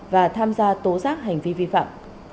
và tham gia tố rác hành vi vi phạm